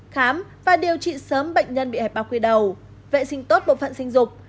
khám và điều trị sớm bệnh nhân bị hẹp bao quy đầu vệ sinh tốt bộ phận sinh dục